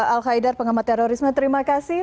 al qaidar pengamat terorisme terima kasih